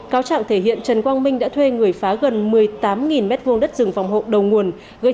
cáo trạng thể hiện trần quang minh đã thuê người phá gần một mươi tám m hai đất rừng phòng hộ đầu nguồn gây